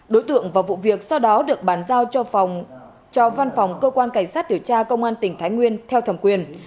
đối tượng vào vụ việc sau đó được bán giao cho văn phòng cơ quan cảnh sát tiểu tra công an tỉnh thái nguyên theo thẩm quyền